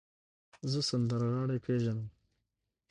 زه سندرغاړی پیژنم.